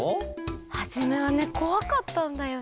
はじめはねこわかったんだよね。